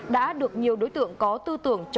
đã được nhiều đối tượng có tư tưởng